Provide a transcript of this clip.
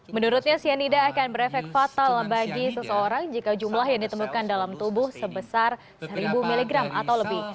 menurutnya cyanida akan berefek fatal bagi seseorang jika jumlah yang ditemukan dalam tubuh sebesar seribu mg atau lebih